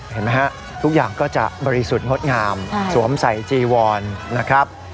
เห็นไหมฮะทุกอย่างก็จะบริสุทธิ์งดงามสวมใส่จีวอนนะครับ